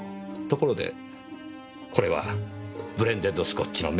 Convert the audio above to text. ところでこれはブレンデッドスコッチの名品です。